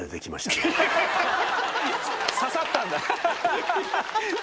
刺さったんだ。